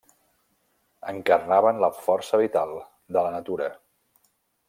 Encarnaven la força vital de la natura.